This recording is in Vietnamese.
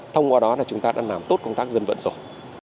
thông qua đó là chúng ta đã làm tốt công tác dân vận rồi